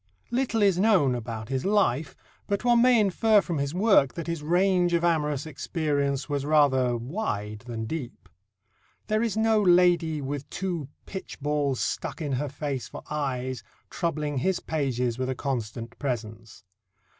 Little is known about his life, but one may infer from his work that his range of amorous experience was rather wide than deep. There is no lady "with two pitch balls stuck in her face for eyes" troubling his pages with a constant presence.